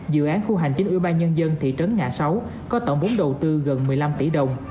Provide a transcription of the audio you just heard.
dự án khu hành chính ủy ban nhân dân thị trấn ngã sáu có tổng vốn đầu tư gần một mươi năm tỷ đồng